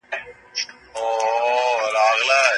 د سند له رود څخه تیریدل اجازه غواړي.